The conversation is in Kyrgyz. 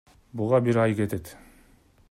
Буга бир ай кетет.